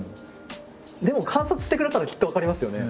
でも観察してくれたらきっと分かりますよね。